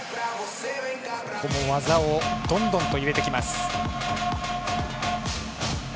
ここも技をどんどんと入れてきます。